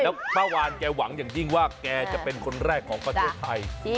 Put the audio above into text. แล้วเมื่อวานแกหวังอย่างยิ่งว่าแกจะเป็นคนแรกของประเทศไทย